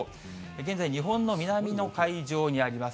現在、日本の南の海上にあります。